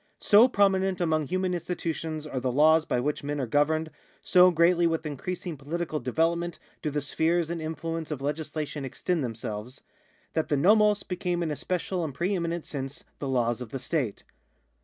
So pi'ominent among human institutions are the laws by which men are governed, so greatly with increasing political develop ment do the spheres and influence of legislatioii extend themselves, that the I'o^oi became in a special and pre eminent sense the laws of the state.